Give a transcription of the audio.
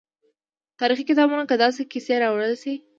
تاریخي کتابونو کې داسې کیسې راوړل شوي.